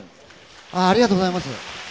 ありがとうございます。